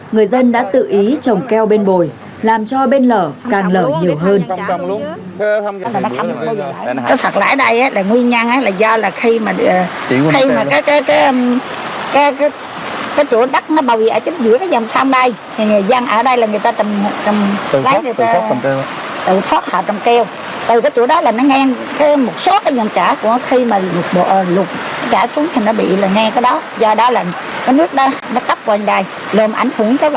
người dân đã tự ý trồng keo bên bồi làm cho bên lở càng lở nhiều hơn